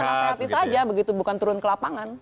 ya menurut saya penasehat itu saja begitu bukan turun ke lapangan